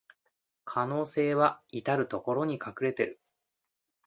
可能性はいたるところに隠れてる